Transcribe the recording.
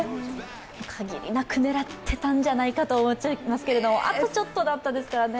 限りなく狙っていたんじゃないかと思っちゃいますけど、あとちょっとだったですからね。